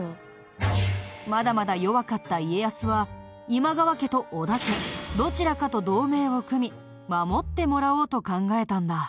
まだまだ弱かった家康は今川家と織田家どちらかと同盟を組み守ってもらおうと考えたんだ。